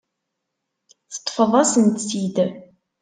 Teṭṭfeḍ-asent-t-id.